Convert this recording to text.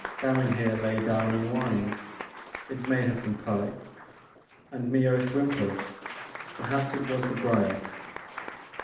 Gamin here lay down an whined — it may have been colic — and Mioche whimpered, — perhaps it was the brier."